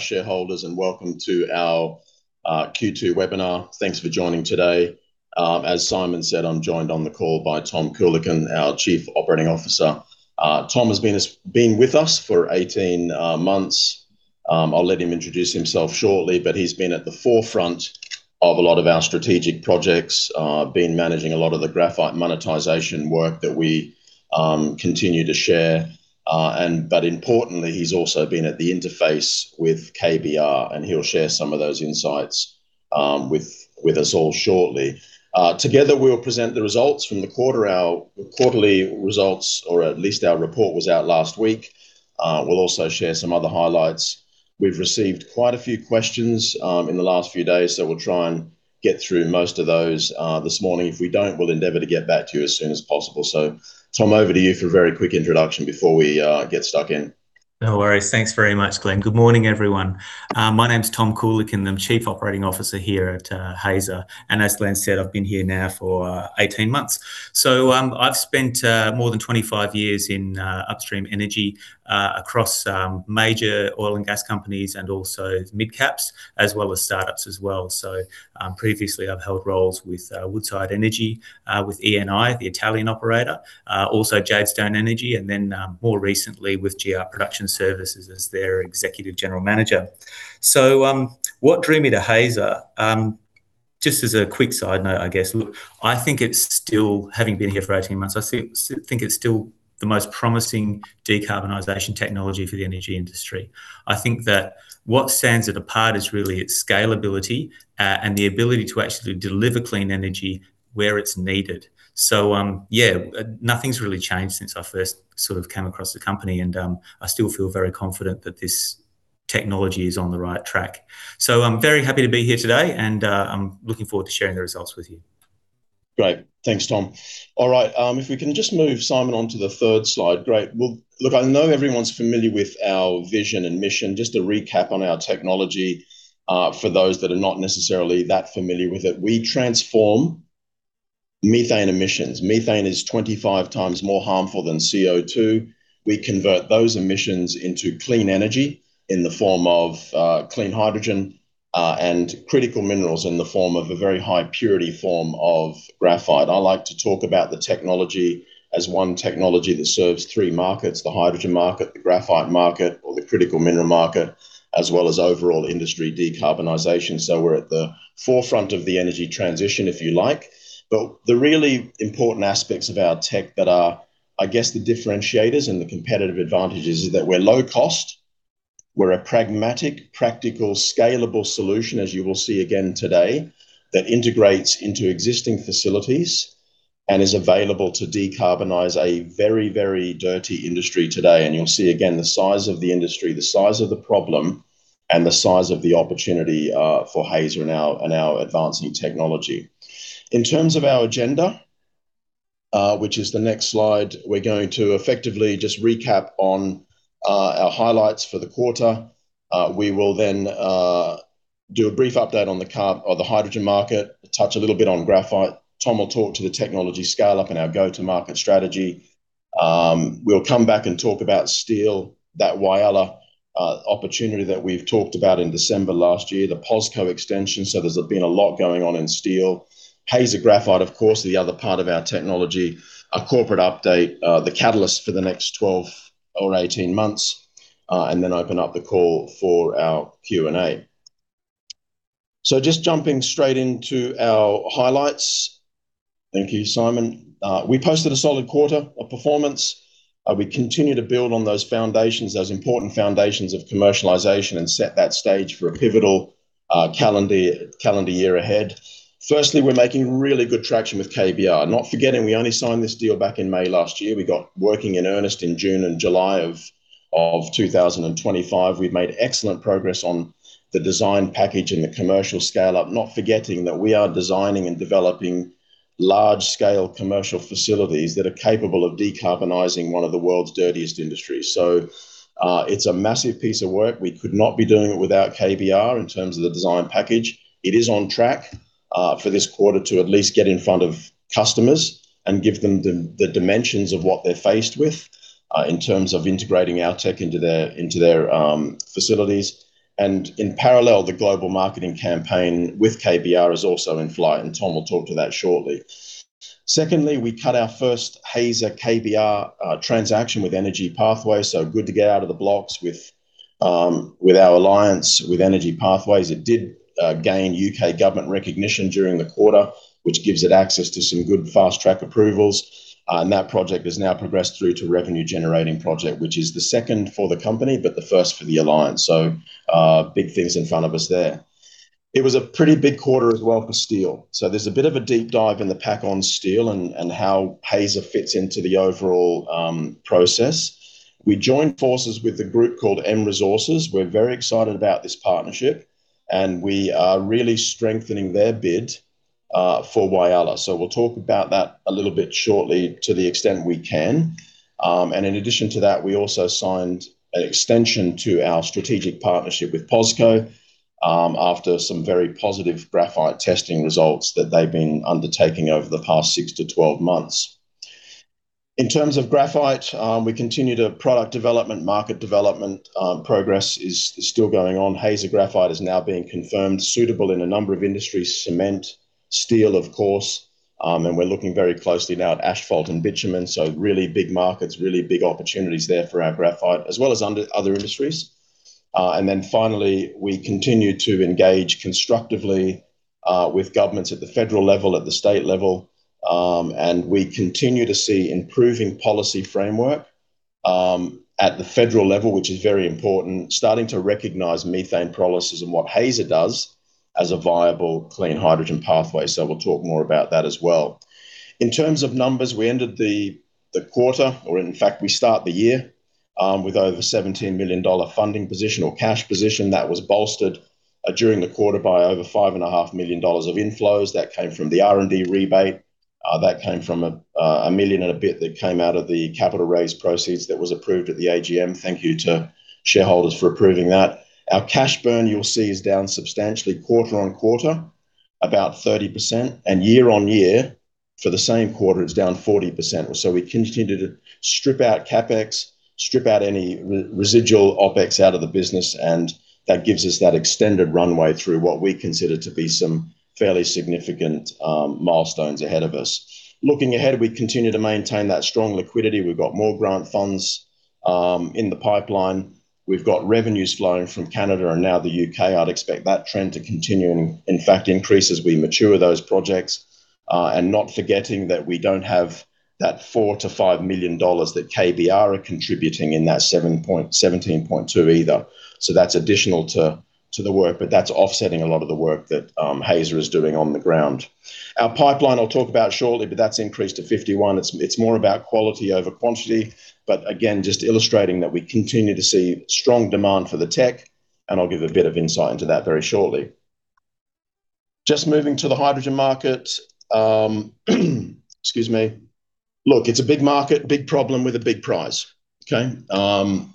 Shareholders, and welcome to our Q2 Webinar. Thanks for joining today. As Simon said, I'm joined on the call by Tom Kolenc, our Chief Operating Officer. Tom has been with us for 18 months. I'll let him introduce himself shortly, but he's been at the forefront of a lot of our strategic projects, been managing a lot of the graphite monetization work that we continue to share. But importantly, he's also been at the interface with KBR, and he'll share some of those insights with us all shortly. Together, we'll present the results from the quarterly results, or at least our report was out last week. We'll also share some other highlights. We've received quite a few questions in the last few days, so we'll try and get through most of those this morning. If we don't, we'll endeavor to get back to you as soon as possible. Tom, over to you for a very quick introduction before we get stuck in. No worries. Thanks very much, Glenn. Good morning, everyone. My name's Tom Kolenc. I'm Chief Operating Officer here at Hazer. And as Glenn said, I've been here now for 18 months. So I've spent more than 25 years in upstream energy across major oil and gas companies and also mid-caps, as well as startups as well. So previously, I've held roles with Woodside Energy, with Eni, the Italian operator, also Jadestone Energy, and then more recently with GR Production Services as their Executive General Manager. So what drew me to Hazer? Just as a quick side note, I guess, look, I think it's still, having been here for 18 months, I think it's still the most promising decarbonization technology for the energy industry. I think that what stands it apart is really its scalability and the ability to actually deliver clean energy where it's needed. Yeah, nothing's really changed since I first sort of came across the company, and I still feel very confident that this technology is on the right track. I'm very happy to be here today, and I'm looking forward to sharing the results with you. Great. Thanks, Tom. All right. If we can just move, Simon, on to the third slide. Great. Look, I know everyone's familiar with our vision and mission. Just to recap on our technology for those that are not necessarily that familiar with it, we transform methane emissions. Methane is 25 times more harmful than CO2. We convert those emissions into clean energy in the form of clean hydrogen and critical minerals in the form of a very high-purity form of graphite. I like to talk about the technology as one technology that serves three markets: the hydrogen market, the graphite market, or the critical mineral market, as well as overall industry decarbonization. So we're at the forefront of the energy transition, if you like. But the really important aspects of our tech that are, I guess, the differentiators and the competitive advantages is that we're low cost. We're a pragmatic, practical, scalable solution, as you will see again today, that integrates into existing facilities and is available to decarbonize a very, very dirty industry today. You'll see again the size of the industry, the size of the problem, and the size of the opportunity for Hazer and our advancing technology. In terms of our agenda, which is the next slide, we're going to effectively just recap on our highlights for the quarter. We will then do a brief update on the hydrogen market, touch a little bit on graphite. Tom will talk to the technology scale-up and our go-to-market strategy. We'll come back and talk about steel, that Whyalla opportunity that we've talked about in December last year, the POSCO extension. There's been a lot going on in steel. Hazer Graphite, of course, the other part of our technology. A corporate update, the catalyst for the next 12 or 18 months, and then open up the call for our Q&A. So just jumping straight into our highlights. Thank you, Simon. We posted a solid quarter of performance. We continue to build on those foundations, those important foundations of commercialization, and set that stage for a pivotal calendar year ahead. Firstly, we're making really good traction with KBR. Not forgetting we only signed this deal back in May last year. We got working in earnest in June and July of 2025. We've made excellent progress on the design package and the commercial scale-up. Not forgetting that we are designing and developing large-scale commercial facilities that are capable of decarbonizing one of the world's dirtiest industries. So it's a massive piece of work. We could not be doing it without KBR in terms of the design package. It is on track for this quarter to at least get in front of customers and give them the dimensions of what they're faced with in terms of integrating our tech into their facilities. In parallel, the global marketing campaign with KBR is also in flight, and Tom will talk to that shortly. Secondly, we cut our first Hazer KBR transaction with Energy Pathways. Good to get out of the blocks with our alliance with Energy Pathways. It did gain U.K. government recognition during the quarter, which gives it access to some good fast-track approvals. That project has now progressed through to a revenue-generating project, which is the second for the company, but the first for the alliance. Big things in front of us there. It was a pretty big quarter as well for steel. So there's a bit of a deep dive in the pack on steel and how Hazer fits into the overall process. We joined forces with a group called M Resources. We're very excited about this partnership, and we are really strengthening their bid for Whyalla. So we'll talk about that a little bit shortly to the extent we can. And in addition to that, we also signed an extension to our strategic partnership with POSCO after some very positive graphite testing results that they've been undertaking over the past six to 12 months. In terms of graphite, we continue to product development. Market development progress is still going on. Hazer Graphite is now being confirmed suitable in a number of industries: cement, steel, of course. And we're looking very closely now at asphalt and bitumen. So really big markets, really big opportunities there for our graphite, as well as other industries. And then finally, we continue to engage constructively with governments at the federal level, at the state level. And we continue to see improving policy framework at the federal level, which is very important, starting to recognize methane pyrolysis and what Hazer does as a viable clean hydrogen pathway. So we'll talk more about that as well. In terms of numbers, we ended the quarter, or in fact, we start the year with over AUD 17 million funding position or cash position. That was bolstered during the quarter by over AUD 5.5 million of inflows. That came from the R&D rebate. That came from 1 million and a bit that came out of the capital raise proceeds that was approved at the AGM. Thank you to shareholders for approving that. Our cash burn, you'll see, is down substantially quarter-on-quarter, about 30%. And year-on-year for the same quarter, it's down 40%. So we continue to strip out CapEx, strip out any residual OpEx out of the business, and that gives us that extended runway through what we consider to be some fairly significant milestones ahead of us. Looking ahead, we continue to maintain that strong liquidity. We've got more grant funds in the pipeline. We've got revenues flowing from Canada and now the U.K. I'd expect that trend to continue and, in fact, increase as we mature those projects. And not forgetting that we don't have that 4 million-5 million dollars that KBR are contributing in that 17.2 either. So that's additional to the work, but that's offsetting a lot of the work that Hazer is doing on the ground. Our pipeline, I'll talk about shortly, but that's increased to 51. It's more about quality over quantity. But again, just illustrating that we continue to see strong demand for the tech, and I'll give a bit of insight into that very shortly. Just moving to the hydrogen market. Excuse me. Look, it's a big market, big problem with a big price. And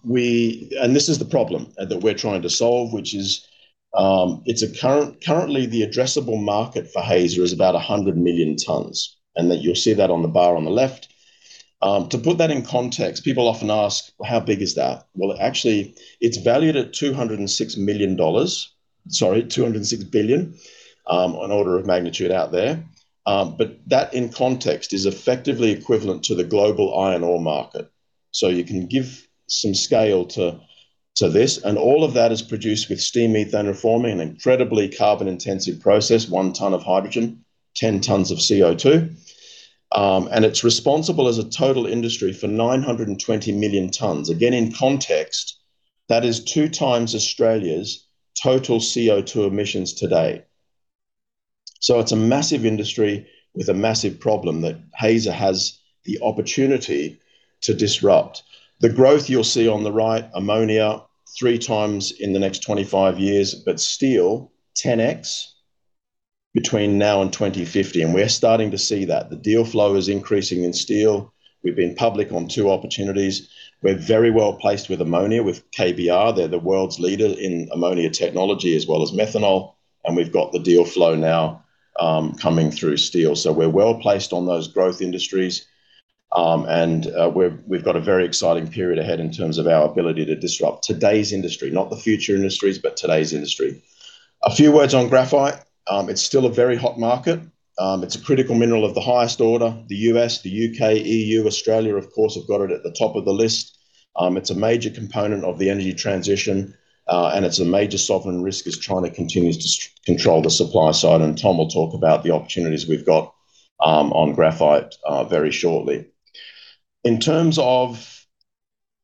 this is the problem that we're trying to solve, which is currently the addressable market for Hazer is about 100 million tons, and that you'll see that on the bar on the left. To put that in context, people often ask, "How big is that?" Well, actually, it's valued at 206 million dollars, sorry, 206 billion, an order of magnitude out there. But that in context is effectively equivalent to the global iron ore market. So you can give some scale to this. All of that is produced with steam methane reforming, an incredibly carbon-intensive process, 1 ton of hydrogen, 10 tons of CO2. It's responsible as a total industry for 920 million tons. Again, in context, that is 2 times Australia's total CO2 emissions today. So it's a massive industry with a massive problem that Hazer has the opportunity to disrupt. The growth you'll see on the right, ammonia, 3x in the next 25 years, but steel, 10x between now and 2050. We're starting to see that. The deal flow is increasing in steel. We've been public on two opportunities. We're very well placed with ammonia, with KBR. They're the world's leader in ammonia technology as well as methanol. We've got the deal flow now coming through steel. So we're well placed on those growth industries. And we've got a very exciting period ahead in terms of our ability to disrupt today's industry, not the future industries, but today's industry. A few words on graphite. It's still a very hot market. It's a critical mineral of the highest order, the U.S., the U.K., EU, Australia, of course, have got it at the top of the list. It's a major component of the energy transition, and it's a major sovereign risk as China continues to control the supply side. And Tom will talk about the opportunities we've got on graphite very shortly. In terms of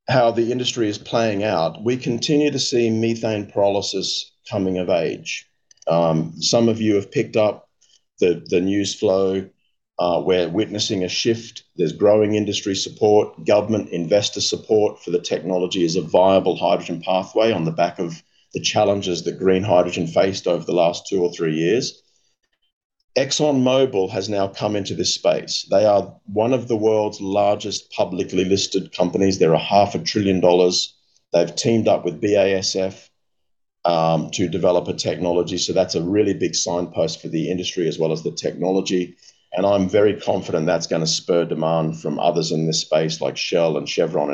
how the industry is playing out, we continue to see methane pyrolysis coming of age. Some of you have picked up the news flow. We're witnessing a shift. There's growing industry support, government investor support for the technology as a viable hydrogen pathway on the back of the challenges that green hydrogen faced over the last two or three years. ExxonMobil has now come into this space. They are one of the world's largest publicly listed companies. They're 500 billion dollars. They've teamed up with BASF to develop a technology. So that's a really big signpost for the industry as well as the technology. And I'm very confident that's going to spur demand from others in this space like Shell and Chevron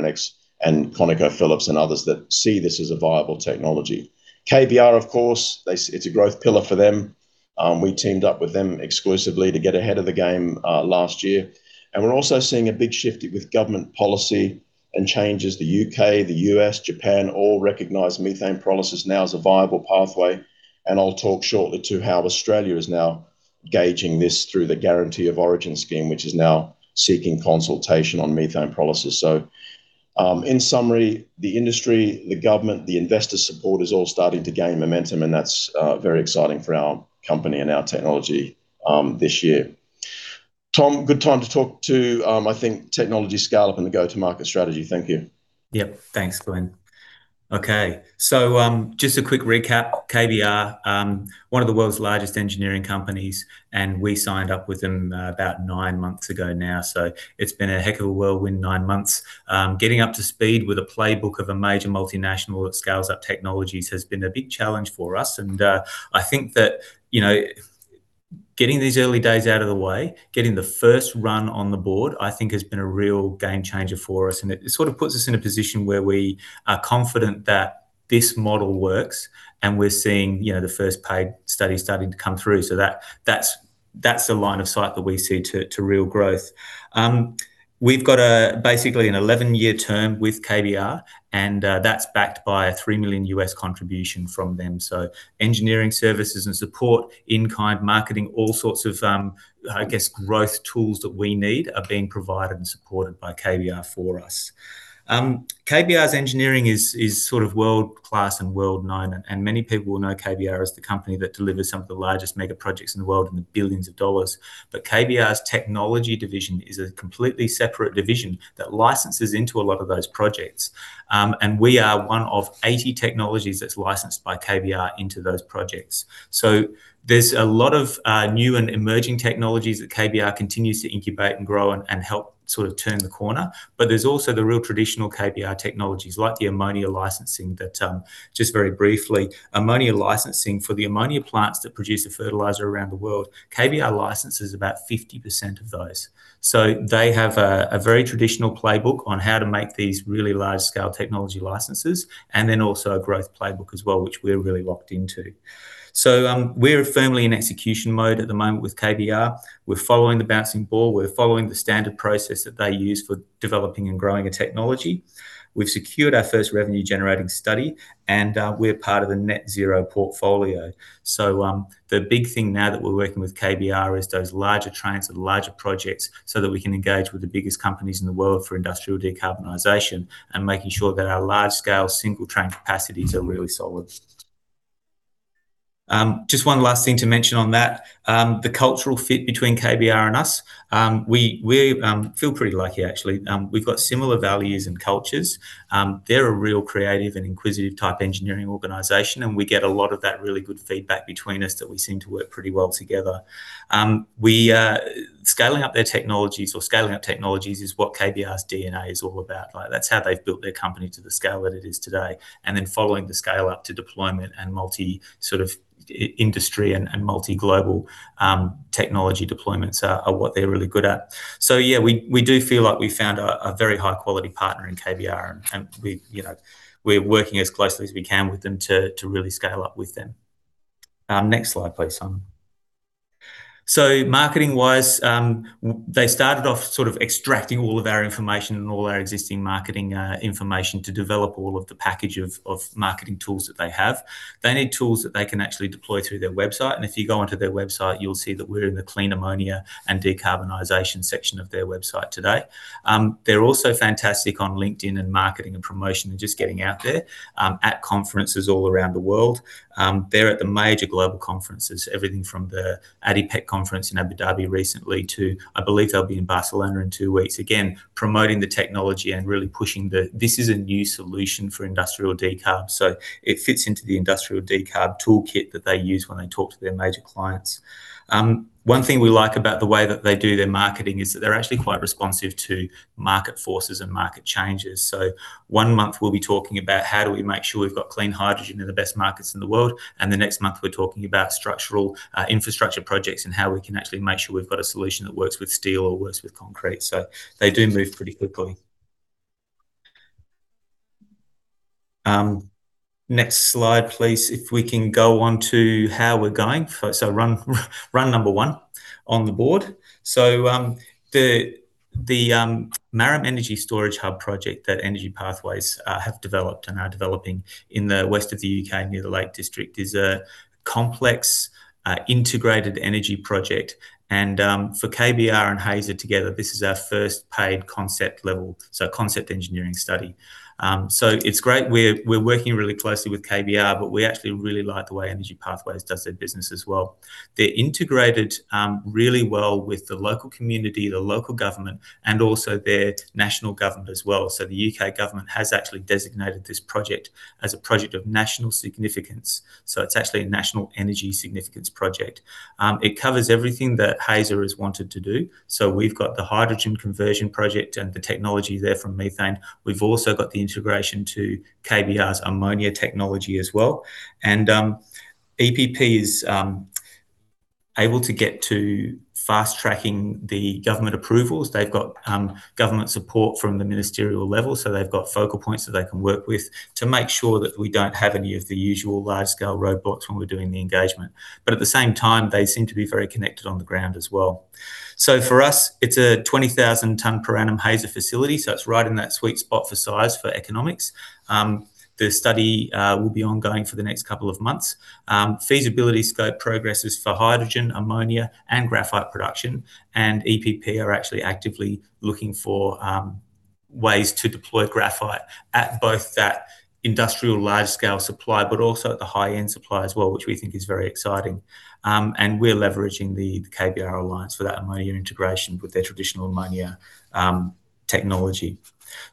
and ConocoPhillips and others that see this as a viable technology. KBR, of course, it's a growth pillar for them. We teamed up with them exclusively to get ahead of the game last year. And we're also seeing a big shift with government policy and changes. The U.K., the U.S., Japan all recognize methane pyrolysis now as a viable pathway. I'll talk shortly to how Australia is now gauging this through the Guarantee of Origin Scheme, which is now seeking consultation on methane pyrolysis. In summary, the industry, the government, the investor support is all starting to gain momentum, and that's very exciting for our company and our technology this year. Tom, good time to talk to, I think, technology scale-up and the go-to-market strategy. Thank you. Yep. Thanks, Glenn. Okay. Just a quick recap, KBR, one of the world's largest engineering companies, and we signed up with them about nine months ago now. It's been a heck of a whirlwind nine months. Getting up to speed with a playbook of a major multinational that scales up technologies has been a big challenge for us. I think that getting these early days out of the way, getting the first run on the board, I think, has been a real game changer for us. It sort of puts us in a position where we are confident that this model works, and we're seeing the first paid studies starting to come through. That's the line of sight that we see to real growth. We've got basically an 11-year term with KBR, and that's backed by a $3 million contribution from them. So engineering services and support, in-kind marketing, all sorts of, I guess, growth tools that we need are being provided and supported by KBR for us. KBR's engineering is sort of world-class and world-known, and many people will know KBR as the company that delivers some of the largest mega projects in the world and the billions of dollars. But KBR's technology division is a completely separate division that licenses into a lot of those projects. And we are one of 80 technologies that's licensed by KBR into those projects. So there's a lot of new and emerging technologies that KBR continues to incubate and grow and help sort of turn the corner. But there's also the real traditional KBR technologies like the ammonia licensing that just very briefly, ammonia licensing for the ammonia plants that produce the fertilizer around the world. KBR licenses about 50% of those. So they have a very traditional playbook on how to make these really large-scale technology licenses and then also a growth playbook as well, which we're really locked into. So we're firmly in execution mode at the moment with KBR. We're following the bouncing ball. We're following the standard process that they use for developing and growing a technology. We've secured our first revenue-generating study, and we're part of a net-zero portfolio. So the big thing now that we're working with KBR is those larger trains and larger projects so that we can engage with the biggest companies in the world for industrial decarbonization and making sure that our large-scale single-train capacities are really solid. Just one last thing to mention on that, the cultural fit between KBR and us. We feel pretty lucky, actually. We've got similar values and cultures. They're a real creative and inquisitive type engineering organization, and we get a lot of that really good feedback between us that we seem to work pretty well together. Scaling up their technologies or scaling up technologies is what KBR's DNA is all about. That's how they've built their company to the scale that it is today. And then following the scale-up to deployment and multi-sort of industry and multi-global technology deployments are what they're really good at. So yeah, we do feel like we found a very high-quality partner in KBR, and we're working as closely as we can with them to really scale up with them. Next slide, please, Simon. So marketing-wise, they started off sort of extracting all of our information and all our existing marketing information to develop all of the package of marketing tools that they have. They need tools that they can actually deploy through their website. If you go onto their website, you'll see that we're in the clean ammonia and decarbonization section of their website today. They're also fantastic on LinkedIn and marketing and promotion and just getting out there at conferences all around the world. They're at the major global conferences, everything from the ADIPEC Conference in Abu Dhabi recently to, I believe they'll be in Barcelona in two weeks, again, promoting the technology and really pushing the, "This is a new solution for industrial decarb." It fits into the industrial decarb toolkit that they use when they talk to their major clients. One thing we like about the way that they do their marketing is that they're actually quite responsive to market forces and market changes. So one month, we'll be talking about how do we make sure we've got clean hydrogen in the best markets in the world. And the next month, we're talking about structural infrastructure projects and how we can actually make sure we've got a solution that works with steel or works with concrete. So they do move pretty quickly. Next slide, please. If we can go on to how we're going. So run number one on the board. So the Marram Energy Storage Hub project that Energy Pathways have developed and are developing in the west of the U.K. near the Lake District is a complex integrated energy project. And for KBR and Hazer together, this is our first paid concept level, so concept engineering study. So it's great. We're working really closely with KBR, but we actually really like the way Energy Pathways does their business as well. They're integrated really well with the local community, the local government, and also their national government as well. So the U.K. government has actually designated this project as a project of national significance. So it's actually a national energy significance project. It covers everything that Hazer has wanted to do. So we've got the hydrogen conversion project and the technology there from methane. We've also got the integration to KBR's ammonia technology as well. And EPP is able to get to fast-tracking the government approvals. They've got government support from the ministerial level. So they've got focal points that they can work with to make sure that we don't have any of the usual large-scale roadblocks when we're doing the engagement. But at the same time, they seem to be very connected on the ground as well. So for us, it's a 20,000-ton per annum Hazer facility. So it's right in that sweet spot for size for economics. The study will be ongoing for the next couple of months. Feasibility scope progresses for hydrogen, ammonia, and graphite production. And EPP are actually actively looking for ways to deploy graphite at both that industrial large-scale supply, but also at the high-end supply as well, which we think is very exciting. And we're leveraging the KBR alliance for that ammonia integration with their traditional ammonia technology.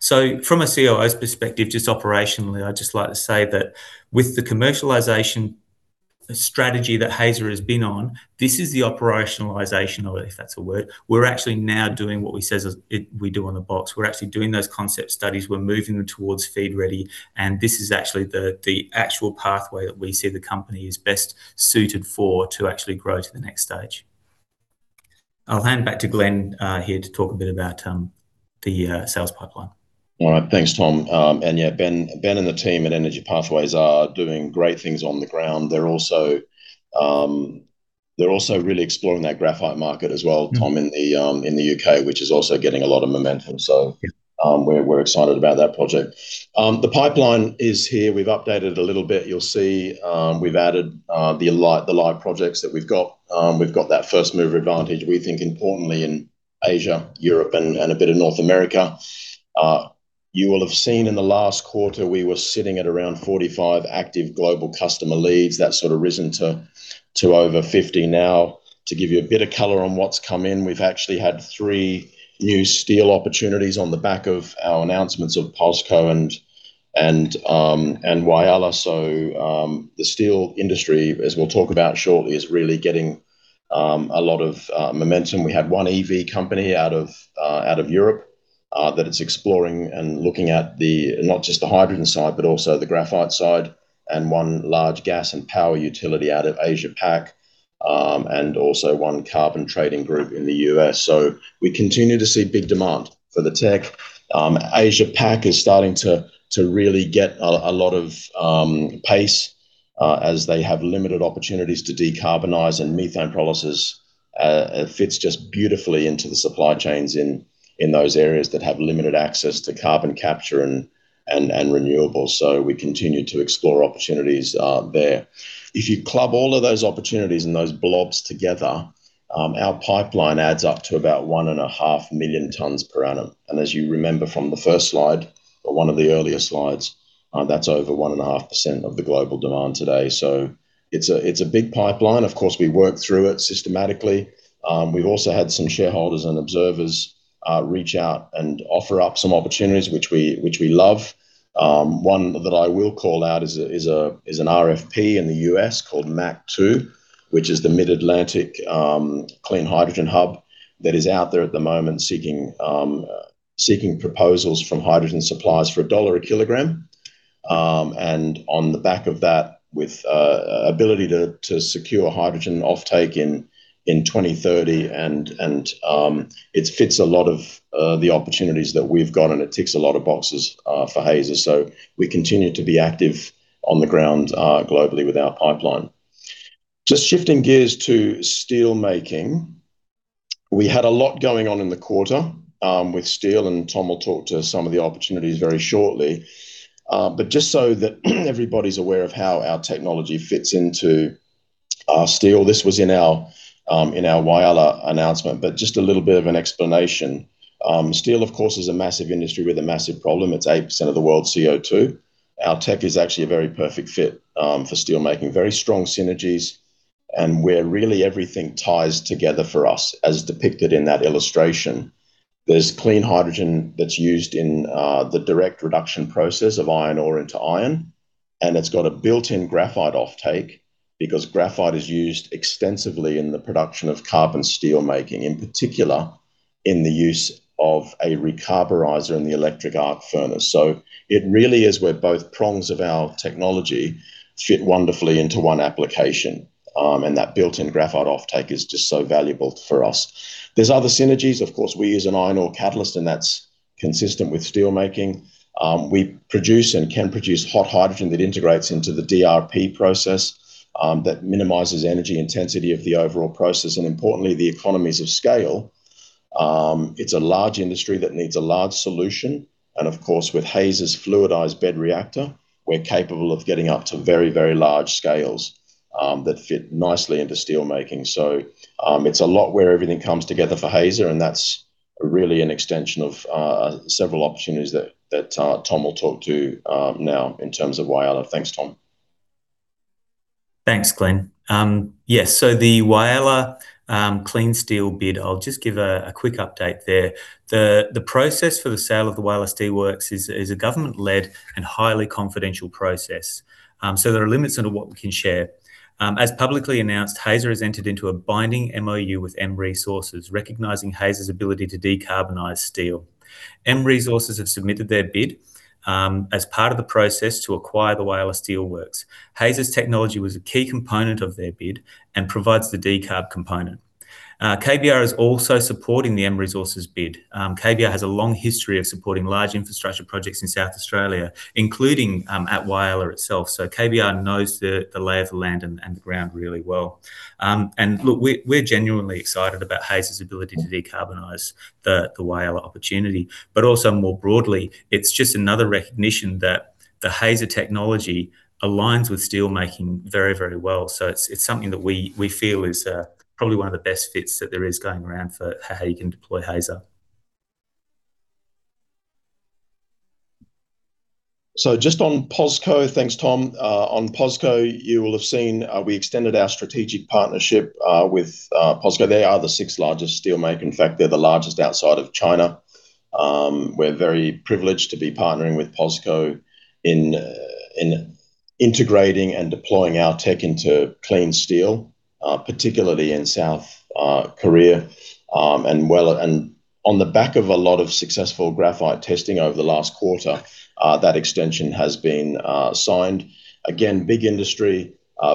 So from a COO's perspective, just operationally, I'd just like to say that with the commercialization strategy that Hazer has been on, this is the operationalization of it, if that's a word. We're actually now doing what we say we do on the box. We're actually doing those concept studies. We're moving them towards FEED-ready. This is actually the actual pathway that we see the company is best suited for to actually grow to the next stage. I'll hand back to Glenn here to talk a bit about the sales pipeline. All right. Thanks, Tom. And yeah, Ben and the team at Energy Pathways are doing great things on the ground. They're also really exploring that graphite market as well, Tom, in the U.K., which is also getting a lot of momentum. So we're excited about that project. The pipeline is here. We've updated it a little bit. You'll see we've added the light projects that we've got. We've got that first mover advantage, we think, importantly in Asia, Europe, and a bit of North America. You will have seen in the last quarter, we were sitting at around 45 active global customer leads. That's sort of risen to over 50 now. To give you a bit of color on what's come in, we've actually had three new steel opportunities on the back of our announcements of POSCO and Whyalla. So the steel industry, as we'll talk about shortly, is really getting a lot of momentum. We had one EV company out of Europe that is exploring and looking at not just the hydrogen side, but also the graphite side, and one large gas and power utility out of Asia-Pac, and also one carbon trading group in the U.S. So we continue to see big demand for the tech. Asia-Pac is starting to really get a lot of pace as they have limited opportunities to decarbonize, and methane pyrolysis fits just beautifully into the supply chains in those areas that have limited access to carbon capture and renewables. So we continue to explore opportunities there. If you club all of those opportunities and those blobs together, our pipeline adds up to about 1.5 million tons per annum. As you remember from the first slide, or one of the earlier slides, that's over 1.5% of the global demand today. So it's a big pipeline. Of course, we work through it systematically. We've also had some shareholders and observers reach out and offer up some opportunities, which we love. One that I will call out is an RFP in the U.S. called MACH2, which is the Mid-Atlantic Clean Hydrogen Hub that is out there at the moment seeking proposals from hydrogen suppliers for $1/kg. And on the back of that, with ability to secure hydrogen offtake in 2030, and it fits a lot of the opportunities that we've got, and it ticks a lot of boxes for Hazer. So we continue to be active on the ground globally with our pipeline. Just shifting gears to steelmaking. We had a lot going on in the quarter with steel, and Tom will talk to some of the opportunities very shortly. But just so that everybody's aware of how our technology fits into steel, this was in our Whyalla announcement, but just a little bit of an explanation. Steel, of course, is a massive industry with a massive problem. It's 8% of the world's CO2. Our tech is actually a very perfect fit for steelmaking. Very strong synergies, and where really everything ties together for us, as depicted in that illustration. There's clean hydrogen that's used in the direct reduction process of iron ore into iron, and it's got a built-in graphite offtake because graphite is used extensively in the production of carbon steelmaking, in particular in the use of a recarburizer in the electric arc furnace. So it really is where both prongs of our technology fit wonderfully into one application, and that built-in graphite offtake is just so valuable for us. There's other synergies. Of course, we use an iron ore catalyst, and that's consistent with steelmaking. We produce and can produce hot hydrogen that integrates into the DRI process that minimizes energy intensity of the overall process and, importantly, the economies of scale. It's a large industry that needs a large solution. And of course, with Hazer's fluidized bed reactor, we're capable of getting up to very, very large scales that fit nicely into steelmaking. So it's a lot where everything comes together for Hazer, and that's really an extension of several opportunities that Tom will talk to now in terms of Whyalla. Thanks, Tom. Thanks, Glenn. Yes, so the Whyalla clean steel bid, I'll just give a quick update there. The process for the sale of the Whyalla Steelworks is a government-led and highly confidential process. So there are limits on what we can share. As publicly announced, Hazer has entered into a binding MoU with M Resources, recognizing Hazer's ability to decarbonize steel. M Resources have submitted their bid as part of the process to acquire the Whyalla Steelworks. Hazer's technology was a key component of their bid and provides the decarb component. KBR is also supporting the M Resources bid. KBR has a long history of supporting large infrastructure projects in South Australia, including at Whyalla itself. So KBR knows the lay of the land and the ground really well. And look, we're genuinely excited about Hazer's ability to decarbonize the Whyalla opportunity. Also more broadly, it's just another recognition that the Hazer technology aligns with steelmaking very, very well. It's something that we feel is probably one of the best fits that there is going around for how you can deploy Hazer. So just on POSCO, thanks, Tom. On POSCO, you will have seen we extended our strategic partnership with POSCO. They are the sixth largest steelmaker. In fact, they're the largest outside of China. We're very privileged to be partnering with POSCO in integrating and deploying our tech into clean steel, particularly in South Korea. And on the back of a lot of successful graphite testing over the last quarter, that extension has been signed. Again, big industry,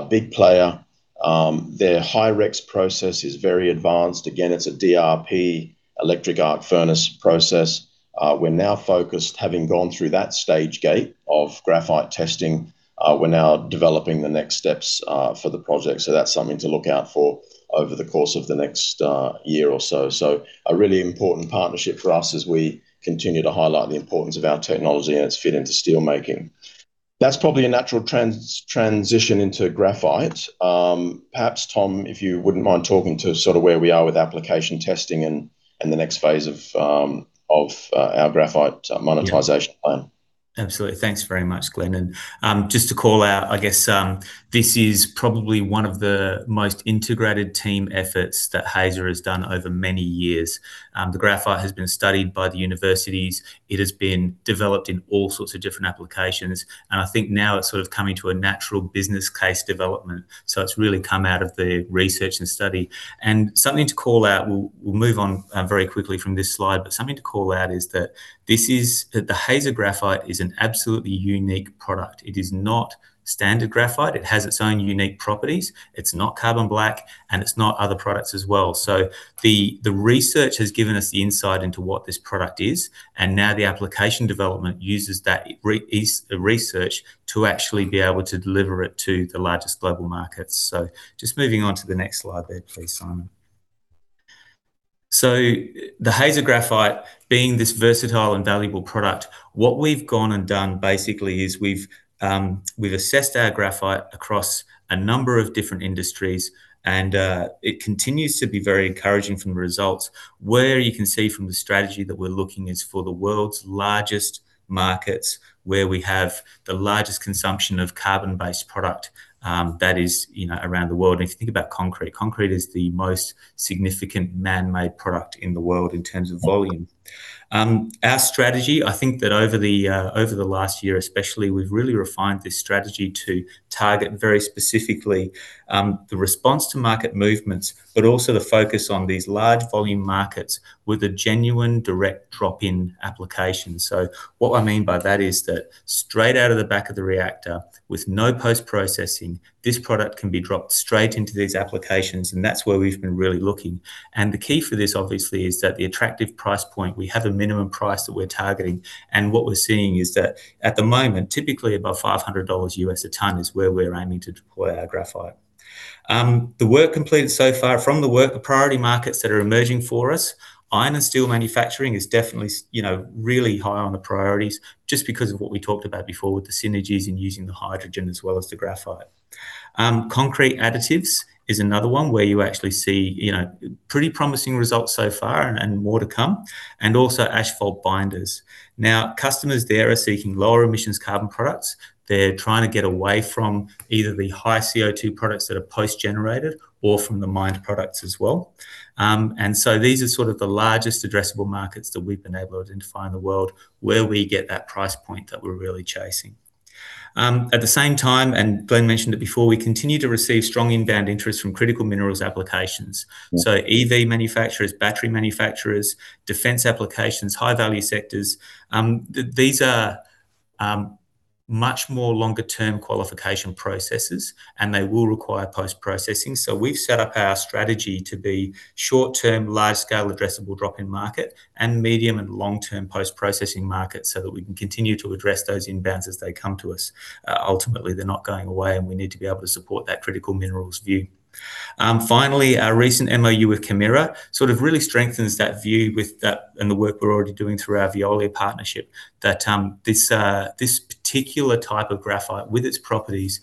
big player. Their high-risk process is very advanced. Again, it's a DRI, electric arc furnace process. We're now focused, having gone through that stage gate of graphite testing, we're now developing the next steps for the project. So that's something to look out for over the course of the next year or so. A really important partnership for us as we continue to highlight the importance of our technology and its fit into steelmaking. That's probably a natural transition into graphite. Perhaps, Tom, if you wouldn't mind talking to us sort of where we are with application testing and the next phase of our graphite monetization plan? Absolutely. Thanks very much, Glenn. And just to call out, I guess this is probably one of the most integrated team efforts that Hazer has done over many years. The graphite has been studied by the universities. It has been developed in all sorts of different applications. And I think now it's sort of coming to a natural business case development. So it's really come out of the research and study. And something to call out, we'll move on very quickly from this slide, but something to call out is that the Hazer Graphite is an absolutely unique product. It is not standard graphite. It has its own unique properties. It's not carbon black, and it's not other products as well. So the research has given us the insight into what this product is. Now the application development uses that research to actually be able to deliver it to the largest global markets. Just moving on to the next slide there, please, Simon. The Hazer Graphite, being this versatile and valuable product, what we've gone and done basically is we've assessed our graphite across a number of different industries, and it continues to be very encouraging from the results. Where you can see from the strategy that we're looking is for the world's largest markets, where we have the largest consumption of carbon-based product that is around the world. If you think about concrete, concrete is the most significant man-made product in the world in terms of volume. Our strategy, I think that over the last year especially, we've really refined this strategy to target very specifically the response to market movements, but also the focus on these large volume markets with a genuine direct drop-in application. So what I mean by that is that straight out of the back of the reactor, with no post-processing, this product can be dropped straight into these applications, and that's where we've been really looking. And the key for this, obviously, is that the attractive price point, we have a minimum price that we're targeting. And what we're seeing is that at the moment, typically about $500 a ton is where we're aiming to deploy our graphite. The work completed so far, the priority markets that are emerging for us, iron and steel manufacturing is definitely really high on the priorities just because of what we talked about before with the synergies in using the hydrogen as well as the graphite. Concrete additives is another one where you actually see pretty promising results so far and more to come. And also asphalt binders. Now, customers there are seeking lower emissions carbon products. They're trying to get away from either the high CO2 products that are post-generated or from the mined products as well. And so these are sort of the largest addressable markets that we've been able to identify in the world where we get that price point that we're really chasing. At the same time, and Glenn mentioned it before, we continue to receive strong inbound interest from critical minerals applications. So EV manufacturers, battery manufacturers, defense applications, high-value sectors, these are much more longer-term qualification processes, and they will require post-processing. So we've set up our strategy to be short-term, large-scale addressable drop-in market, and medium and long-term post-processing market so that we can continue to address those inbounds as they come to us. Ultimately, they're not going away, and we need to be able to support that critical minerals view. Finally, our recent MoU with Kemira sort of really strengthens that view and the work we're already doing through our Veolia partnership that this particular type of graphite, with its properties,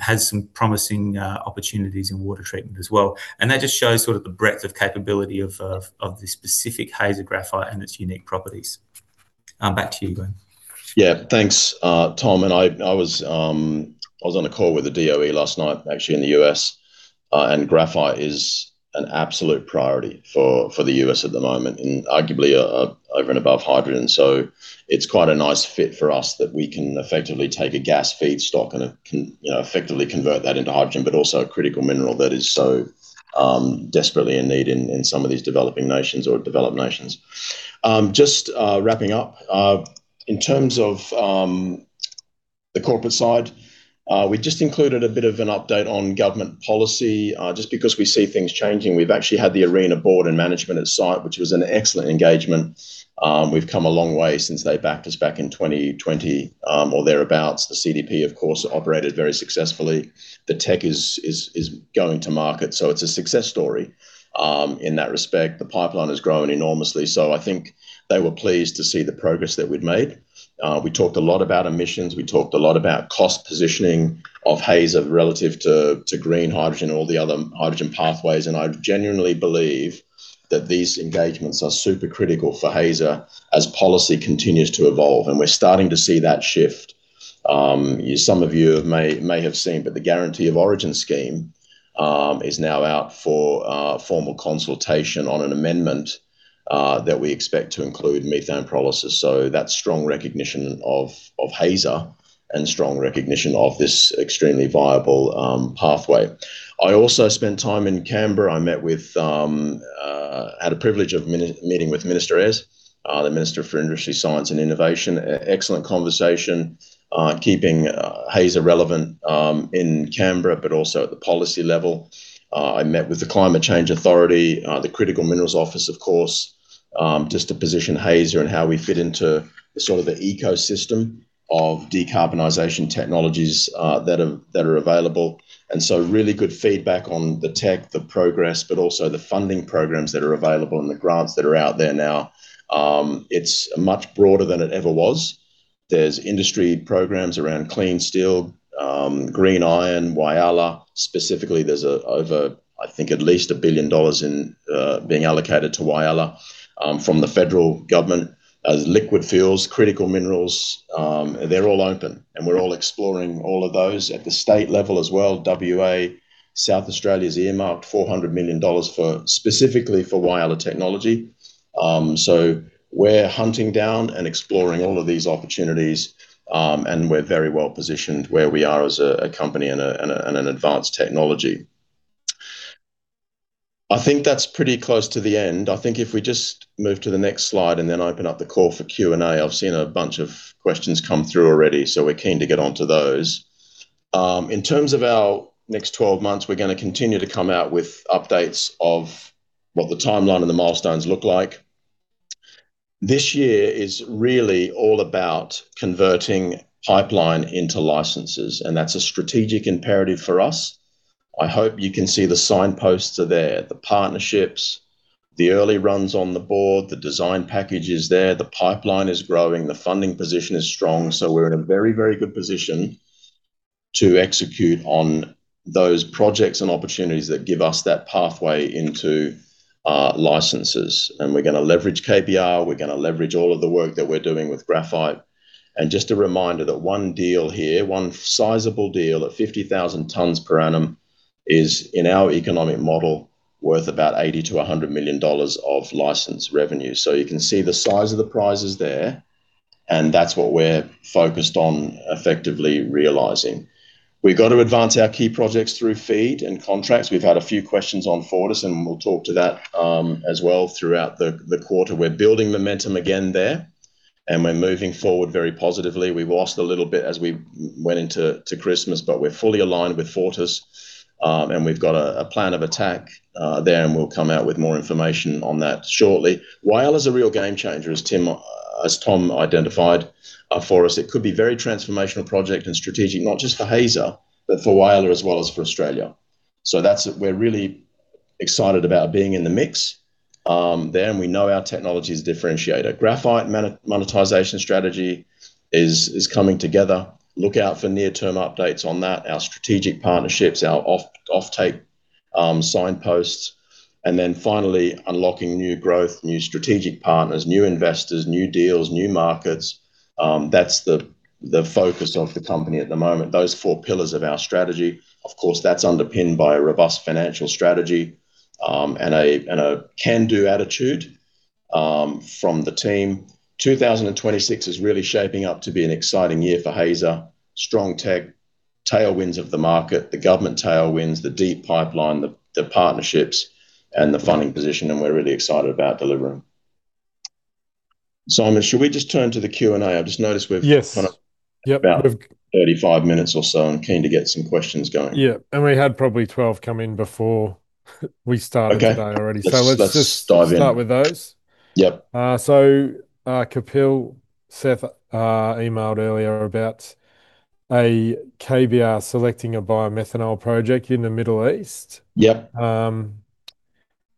has some promising opportunities in water treatment as well. And that just shows sort of the breadth of capability of the specific Hazer Graphite and its unique properties. Back to you, Glenn. Yeah, thanks, Tom. And I was on a call with the DOE last night, actually, in the U.S. And graphite is an absolute priority for the U.S. at the moment in arguably over and above hydrogen. So it's quite a nice fit for us that we can effectively take a gas feedstock and effectively convert that into hydrogen, but also a critical mineral that is so desperately in need in some of these developing nations or developed nations. Just wrapping up, in terms of the corporate side, we just included a bit of an update on government policy just because we see things changing. We've actually had the ARENA Board and management at site, which was an excellent engagement. We've come a long way since they backed us back in 2020 or thereabouts. The CDP, of course, operated very successfully. The tech is going to market. So it's a success story in that respect. The pipeline has grown enormously. So I think they were pleased to see the progress that we'd made. We talked a lot about emissions. We talked a lot about cost positioning of Hazer relative to green hydrogen and all the other hydrogen pathways. And I genuinely believe that these engagements are super critical for Hazer as policy continues to evolve. And we're starting to see that shift. Some of you may have seen, but the Guarantee of Origin Scheme is now out for formal consultation on an amendment that we expect to include methane pyrolysis. So that's strong recognition of Hazer and strong recognition of this extremely viable pathway. I also spent time in Canberra. I had a privilege of meeting with Minister Ayres, the Minister for Industry, Science, and Innovation. Excellent conversation keeping Hazer relevant in Canberra, but also at the policy level. I met with the Climate Change Authority, the Critical Minerals Office, of course, just to position Hazer and how we fit into sort of the ecosystem of decarbonization technologies that are available. And so really good feedback on the tech, the progress, but also the funding programs that are available and the grants that are out there now. It's much broader than it ever was. There's industry programs around clean steel, green iron, Whyalla specifically. There's over, I think, at least 1 billion dollars being allocated to Whyalla from the federal government as liquid fuels, critical minerals. They're all open, and we're all exploring all of those at the state level as well. WA, South Australia's earmarked 400 million dollars specifically for Whyalla technology. So we're hunting down and exploring all of these opportunities, and we're very well positioned where we are as a company and an advanced technology. I think that's pretty close to the end. I think if we just move to the next slide and then open up the call for Q&A, I've seen a bunch of questions come through already, so we're keen to get on to those. In terms of our next 12 months, we're going to continue to come out with updates of what the timeline and the milestones look like. This year is really all about converting pipeline into licenses, and that's a strategic imperative for us. I hope you can see the signposts are there, the partnerships, the early runs on the board, the design package is there, the pipeline is growing, the funding position is strong. So we're in a very, very good position to execute on those projects and opportunities that give us that pathway into licenses. And we're going to leverage KBR. We're going to leverage all of the work that we're doing with graphite. And just a reminder that one deal here, one sizable deal at 50,000 tons per annum is, in our economic model, worth about 80 million-100 million dollars of license revenue. So you can see the size of the prizes there, and that's what we're focused on effectively realizing. We've got to advance our key projects through FEED and contracts. We've had a few questions on Fortis, and we'll talk to that as well throughout the quarter. We're building momentum again there, and we're moving forward very positively. We lost a little bit as we went into Christmas, but we're fully aligned with Fortis, and we've got a plan of attack there, and we'll come out with more information on that shortly. Whyalla is a real game changer, as Tom identified for us. It could be a very transformational project and strategic, not just for Hazer, but for Whyalla as well as for Australia. So we're really excited about being in the mix there, and we know our technology is differentiated. Graphite monetization strategy is coming together. Look out for near-term updates on that, our strategic partnerships, our off-take signposts, and then finally unlocking new growth, new strategic partners, new investors, new deals, new markets. That's the focus of the company at the moment, those four pillars of our strategy. Of course, that's underpinned by a robust financial strategy and a can-do attitude from the team. 2026 is really shaping up to be an exciting year for Hazer, strong tech, tailwinds of the market, the government tailwinds, the deep pipeline, the partnerships, and the funding position, and we're really excited about delivering. Simon, should we just turn to the Q&A? I just noticed we've got about 35 minutes or so. I'm keen to get some questions going. Yeah. And we had probably 12 come in before we started today already. So let's just start with those. So Kapil Seth emailed earlier about a KBR selecting a biomethanol project in the Middle East.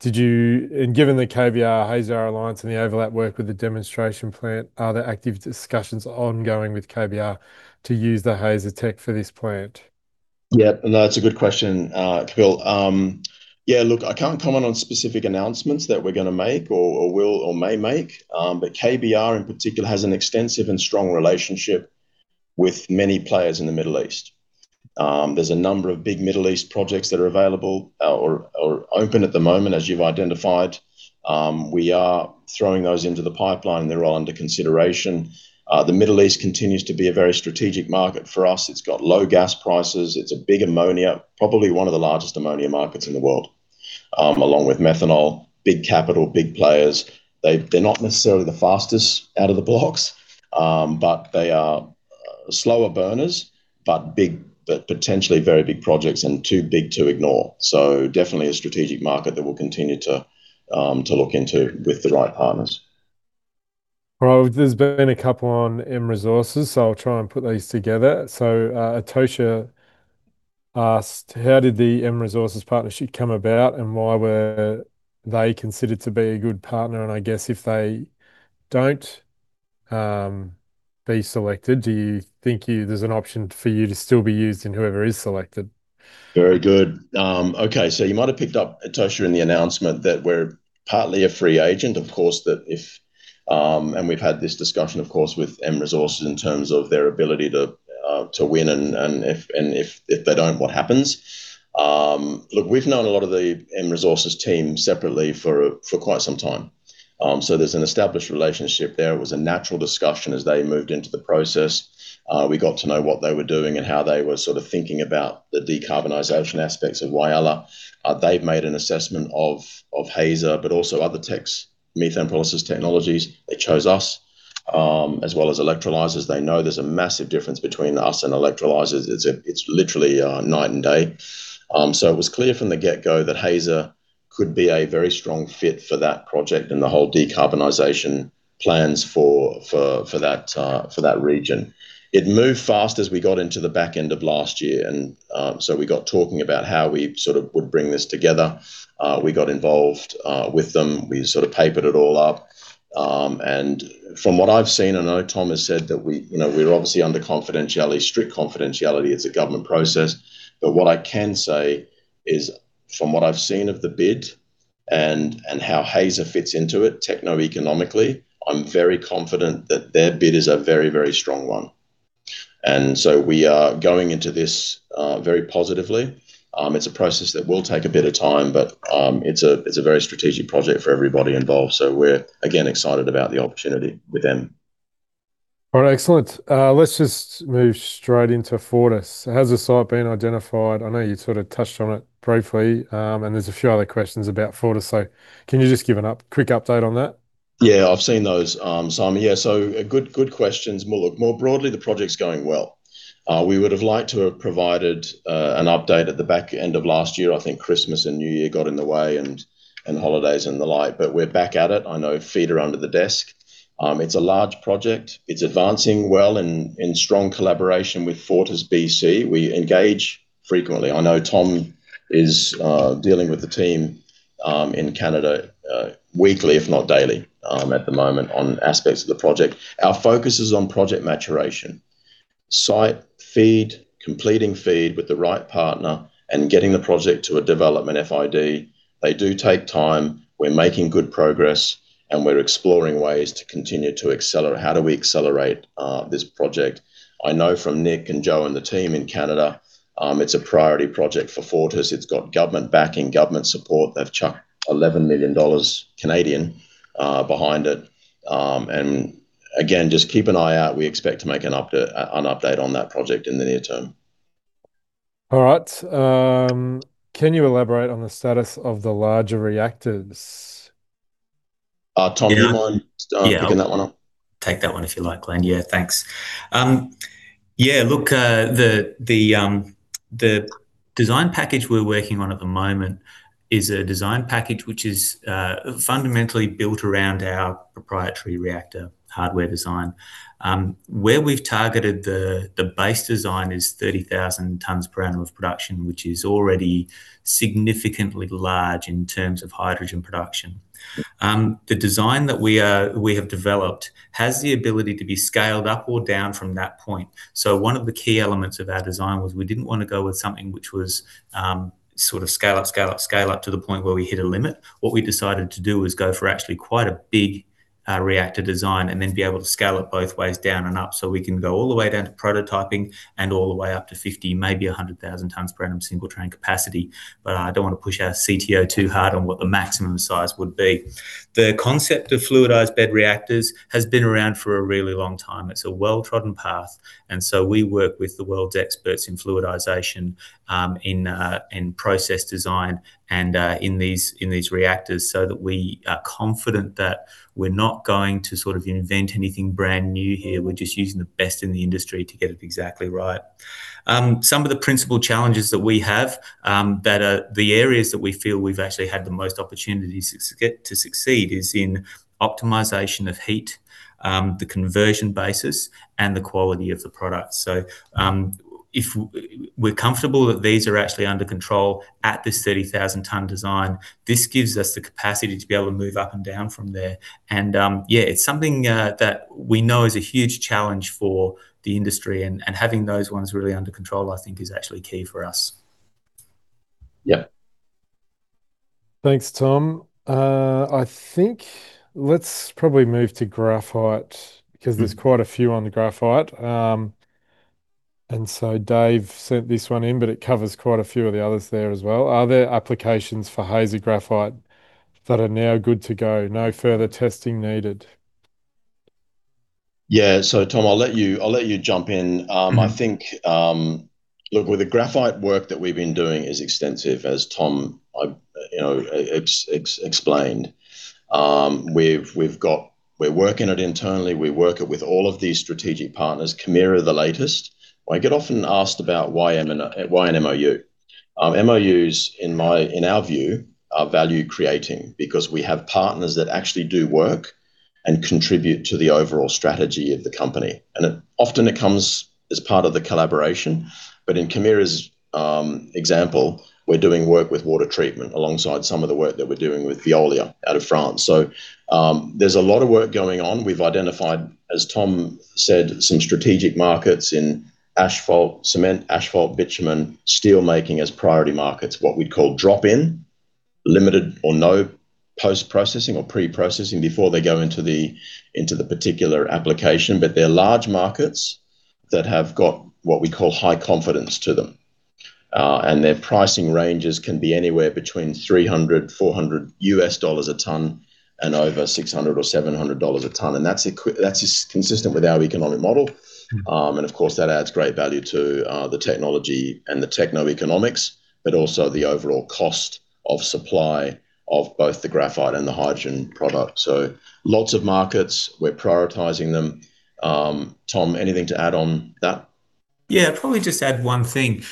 And given the KBR, Hazer Alliance, and the overlap work with the demonstration plant, are there active discussions ongoing with KBR to use the Hazer tech for this plant? Yeah. No, that's a good question, Kapil. Yeah, look, I can't comment on specific announcements that we're going to make or will or may make, but KBR in particular has an extensive and strong relationship with many players in the Middle East. There's a number of big Middle East projects that are available or open at the moment, as you've identified. We are throwing those into the pipeline, and they're all under consideration. The Middle East continues to be a very strategic market for us. It's got low gas prices. It's a big ammonia, probably one of the largest ammonia markets in the world, along with methanol. Big capital, big players. They're not necessarily the fastest out of the blocks, but they are slower burners, but potentially very big projects and too big to ignore. So definitely a strategic market that we'll continue to look into with the right partners. There's been a couple on M Resources, so I'll try and put these together. Atosha asked, how did the M Resources partnership come about and why were they considered to be a good partner? I guess if they don't be selected, do you think there's an option for you to still be used in whoever is selected? Very good. Okay. So you might have picked up, Atosha, in the announcement that we're partly a free agent, of course, and we've had this discussion, of course, with M Resources in terms of their ability to win, and if they don't, what happens? Look, we've known a lot of the M Resources team separately for quite some time. So there's an established relationship there. It was a natural discussion as they moved into the process. We got to know what they were doing and how they were sort of thinking about the decarbonization aspects of Whyalla. They've made an assessment of Hazer, but also other techs, methane process technologies. They chose us as well as electrolyzers. They know there's a massive difference between us and electrolyzers. It's literally night and day. It was clear from the get-go that Hazer could be a very strong fit for that project and the whole decarbonization plans for that region. It moved fast as we got into the back end of last year. We got talking about how we sort of would bring this together. We got involved with them. We sort of papered it all up. From what I've seen, I know Tom has said that we're obviously under confidentiality, strict confidentiality as a government process. But what I can say is, from what I've seen of the bid and how Hazer fits into it techno-economically, I'm very confident that their bid is a very, very strong one. We are going into this very positively. It's a process that will take a bit of time, but it's a very strategic project for everybody involved. We're again excited about the opportunity with them. All right. Excellent. Let's just move straight into Fortis. How's the site been identified? I know you sort of touched on it briefly, and there's a few other questions about Fortis. So can you just give a quick update on that? Yeah, I've seen those, Simon. Yeah. So good questions. Look, more broadly, the project's going well. We would have liked to have provided an update at the back end of last year. I think Christmas and New Year got in the way and holidays and the like, but we're back at it. I know feet are under the desk. It's a large project. It's advancing well in strong collaboration with FortisBC. We engage frequently. I know Tom is dealing with the team in Canada weekly, if not daily, at the moment on aspects of the project. Our focus is on project maturation, site FEED, completing FEED with the right partner, and getting the project to a development FID. They do take time. We're making good progress, and we're exploring ways to continue to accelerate. How do we accelerate this project? I know from Nick and Joe and the team in Canada, it's a priority project for Fortis. It's got government backing, government support. They've chucked 11 million Canadian dollars behind it. And again, just keep an eye out. We expect to make an update on that project in the near term. All right. Can you elaborate on the status of the larger reactors? Tom, do you mind picking that one up? Yeah. Take that one if you like, Glenn. Yeah, thanks. Yeah. Look, the design package we're working on at the moment is a design package which is fundamentally built around our proprietary reactor hardware design. Where we've targeted the base design is 30,000 tons per annum of production, which is already significantly large in terms of hydrogen production. The design that we have developed has the ability to be scaled up or down from that point. So one of the key elements of our design was we didn't want to go with something which was sort of scale up, scale up, scale up to the point where we hit a limit. What we decided to do was go for actually quite a big reactor design and then be able to scale it both ways down and up. So we can go all the way down to prototyping and all the way up to 50, maybe 100,000 tons per annum single train capacity. But I don't want to push our CTO too hard on what the maximum size would be. The concept of fluidized bed reactors has been around for a really long time. It's a well-trodden path. And so we work with the world's experts in fluidization, in process design, and in these reactors so that we are confident that we're not going to sort of invent anything brand new here. We're just using the best in the industry to get it exactly right. Some of the principal challenges that we have that are the areas that we feel we've actually had the most opportunity to succeed is in optimization of heat, the conversion basis, and the quality of the product. So if we're comfortable that these are actually under control at this 30,000-ton design, this gives us the capacity to be able to move up and down from there. And yeah, it's something that we know is a huge challenge for the industry. And having those ones really under control, I think, is actually key for us. Yeah. Thanks, Tom. I think let's probably move to graphite because there's quite a few on the graphite. And so Dave sent this one in, but it covers quite a few of the others there as well. Are there applications for Hazer graphite that are now good to go? No further testing needed. Yeah. So Tom, I'll let you jump in. I think, look, with the graphite work that we've been doing is extensive, as Tom explained. We're working it internally. We work it with all of these strategic partners. Kemira the latest. I get often asked about why an MOU. MOUs, in our view, are value-creating because we have partners that actually do work and contribute to the overall strategy of the company. And often it comes as part of the collaboration. But in Kemira's example, we're doing work with water treatment alongside some of the work that we're doing with Veolia out of France. So there's a lot of work going on. We've identified, as Tom said, some strategic markets in asphalt, cement, asphalt, bitumen, steelmaking as priority markets, what we'd call drop-in, limited or no post-processing or pre-processing before they go into the particular application. They're large markets that have got what we call high confidence to them. Their pricing ranges can be anywhere between $300-$400 a ton and over $600 or $700 a ton. That's consistent with our economic model. Of course, that adds great value to the technology and the techno-economics, but also the overall cost of supply of both the graphite and the hydrogen product. Lots of markets. We're prioritizing them. Tom, anything to add on that? Yeah, probably just add one thing.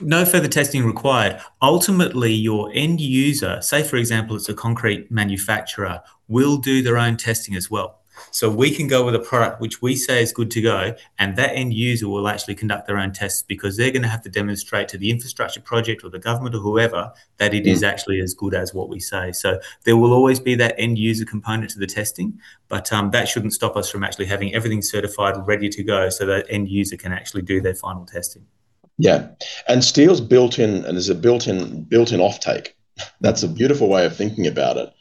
No further testing required. Ultimately, your end user, say for example, it's a concrete manufacturer, will do their own testing as well. So we can go with a product which we say is good to go, and that end user will actually conduct their own tests because they're going to have to demonstrate to the infrastructure project or the government or whoever that it is actually as good as what we say. So there will always be that end user component to the testing, but that shouldn't stop us from actually having everything certified and ready to go so that end user can actually do their final testing. Yeah. Steel's built in, and there's a built-in offtake. That's a beautiful way of thinking about it.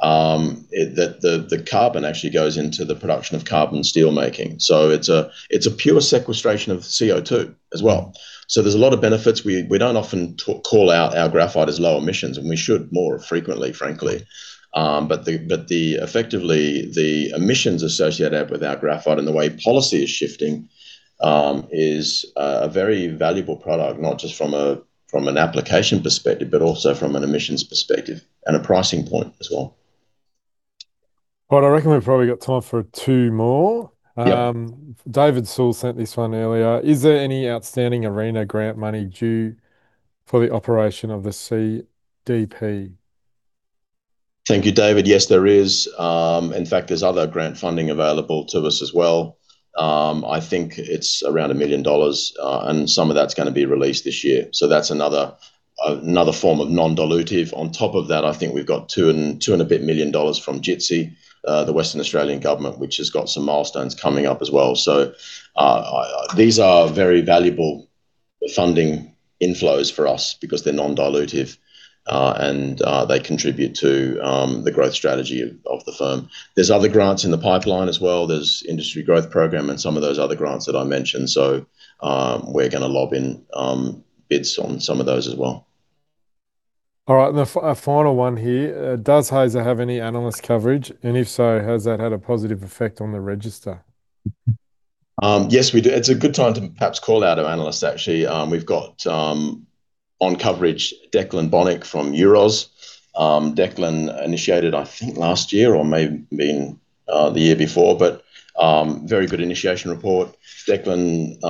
The carbon actually goes into the production of carbon steelmaking. So it's a pure sequestration of CO2 as well. So there's a lot of benefits. We don't often call out our graphite as low emissions, and we should more frequently, frankly. But effectively, the emissions associated with our graphite and the way policy is shifting is a very valuable product, not just from an application perspective, but also from an emissions perspective and a pricing point as well. All right. I reckon we've probably got time for two more. David Sall sent this one earlier. Is there any outstanding ARENA grant money due for the operation of the CDP? Thank you, David. Yes, there is. In fact, there's other grant funding available to us as well. I think it's around 1 million dollars, and some of that's going to be released this year. So that's another form of non-dilutive. On top of that, I think we've got 2 million and a bit from JTSI, the Western Australian government, which has got some milestones coming up as well. So these are very valuable funding inflows for us because they're non-dilutive, and they contribute to the growth strategy of the firm. There's other grants in the pipeline as well. There's industry growth program and some of those other grants that I mentioned. So we're going to lobby in bids on some of those as well. All right. A final one here. Does Hazer have any analyst coverage? If so, has that had a positive effect on the register? Yes, we do. It's a good time to perhaps call out our analysts, actually. We've got on coverage, Declan Bonnick from Euroz. Declan initiated, I think, last year or maybe the year before, but very good initiation report. Declan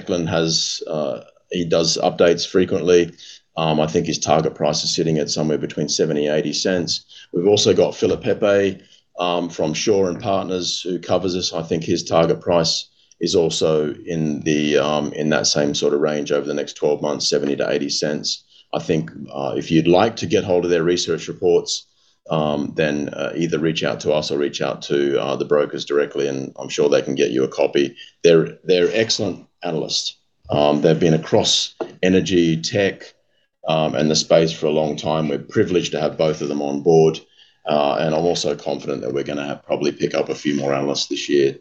does updates frequently. I think his target price is sitting at somewhere between 0.70-0.80. We've also got Philip Pepe from Shaw and Partners who covers us. I think his target price is also in that same sort of range over the next 12 months, 0.70-0.80. I think if you'd like to get hold of their research reports, then either reach out to us or reach out to the brokers directly, and I'm sure they can get you a copy. They're excellent analysts. They've been across energy, tech, and the space for a long time. We're privileged to have both of them on board. I'm also confident that we're going to probably pick up a few more analysts this year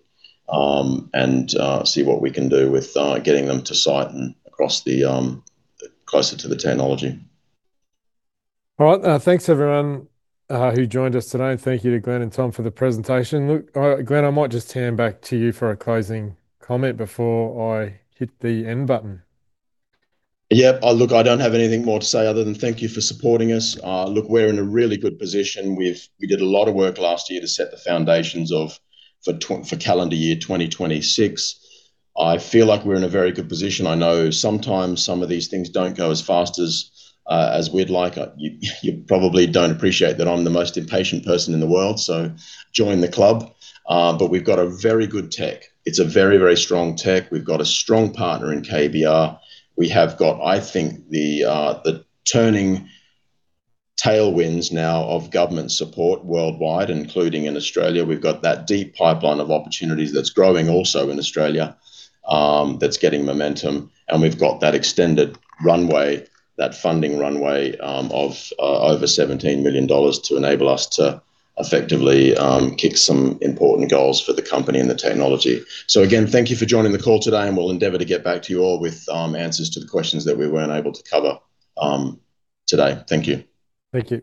and see what we can do with getting them to site and closer to the technology. All right. Thanks, everyone, who joined us today. Thank you to Glenn and Tom for the presentation. Glenn, I might just turn back to you for a closing comment before I hit the end button. Yep. Look, I don't have anything more to say other than thank you for supporting us. Look, we're in a really good position. We did a lot of work last year to set the foundations for calendar year 2026. I feel like we're in a very good position. I know sometimes some of these things don't go as fast as we'd like. You probably don't appreciate that I'm the most impatient person in the world, so join the club. But we've got a very good tech. It's a very, very strong tech. We've got a strong partner in KBR. We have got, I think, the turning tailwinds now of government support worldwide, including in Australia. We've got that deep pipeline of opportunities that's growing also in Australia that's getting momentum. We've got that extended runway, that funding runway of over 17 million dollars to enable us to effectively kick some important goals for the company and the technology. Again, thank you for joining the call today, and we'll endeavor to get back to you all with answers to the questions that we weren't able to cover today. Thank you. Thank you.